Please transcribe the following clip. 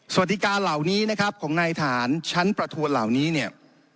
สวัสดีการเหล่านี้นะครับของนายฐานชั้นประทวนเหล่านี้เนี่ย